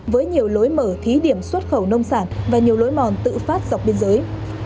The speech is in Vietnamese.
với nhiều lối mở thí điểm xuất khẩu nông sản và nhiều lối mòn tự phát dọc biên giới